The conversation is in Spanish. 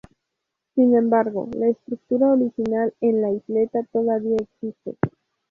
Sin embargo, la estructura original en la isleta todavía existe.